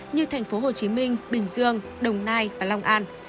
như thành phố hồ chí minh bình dương đồng nai và long an